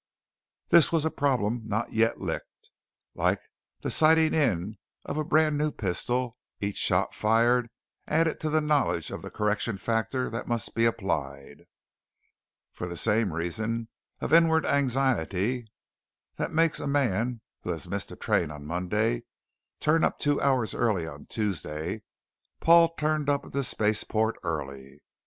This was a problem not yet licked. Like the 'sighting in' of a brand new pistol, each shot fired added to the knowledge of the correction factor that must be applied. For the same reasons of inward anxiety that makes a man who has missed a train on Monday turn up two hours early on Tuesday, Paul turned up at the spaceport early.